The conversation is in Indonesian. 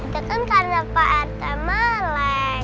itu kan karena pak rt maleng